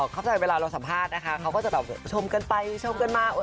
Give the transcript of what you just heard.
เค้าจะชมกันไปชมกันมา